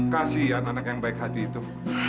kasian anak yang baik hati itu